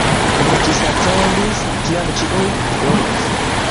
Mi ĝisatendis, kiam ĉiuj ekdormis.